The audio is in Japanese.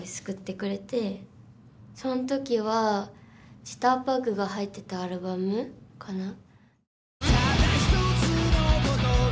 そん時は「ジターバグ」が入ってたアルバムかな。